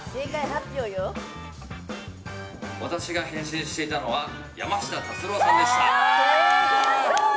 私が変身していたのは山下達郎さんでした。